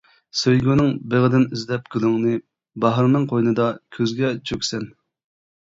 سۆيگۈنىڭ بېغىدىن ئىزدەپ گۈلۈڭنى، باھارنىڭ قوينىدا كۈزگە چۆكىسەن.